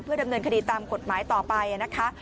ดำเนินคดีตามกฎหมายต่อไปนะคะ